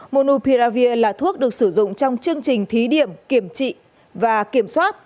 monupia là thuốc được sử dụng trong chương trình thí điểm kiểm trị và kiểm soát